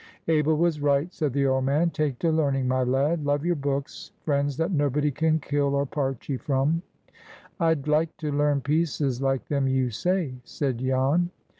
"Abel was right," said the old man. "Take to learning, my lad. Love your books,—friends that nobody can kill, or part ye from." "I'd like to learn pieces like them you say," said Jan.